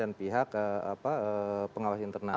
dan pihak pengawal internal